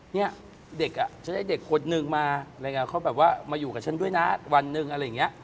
เนี่ยเด็กอ่ะฉันให้เด็กคนหนึ่งมาเขาแบบว่ามาอยู่กับฉันด้วยนะวันหนึ่งอะไรอย่างนี้